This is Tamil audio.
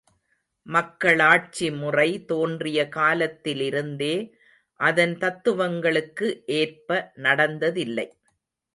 மக்களாட்சி முறை தோன்றிய காலத்திலிருந்தே அதன் தத்துவங்களுக்கு ஏற்ப நடந்ததில்லை.